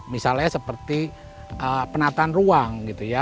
misalnya seperti penataan ruang gitu ya